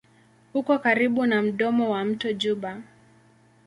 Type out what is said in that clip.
Uko karibu na mdomo wa mto Juba.